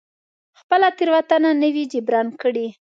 خپله تېروتنه نه وي جبران کړې.